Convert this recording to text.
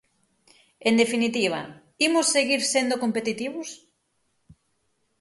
En definitiva, ¿imos seguir sendo competitivos?